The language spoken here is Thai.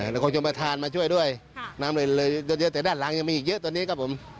แล้วคงชมประธานมาช่วยด้วยน้ำเลยเยอะแต่ด้านหลังยังมีอีกเยอะตอนนี้ครับผม